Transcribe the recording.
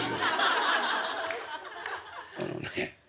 「あのね